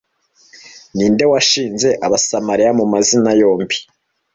Ninde washinze Abasamariya mu amazina yombi